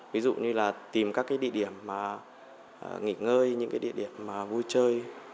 ví dụ như là tìm các địa điểm nghỉ ngơi những địa điểm vui chơi